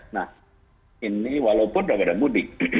nah ini walaupun tidak mudik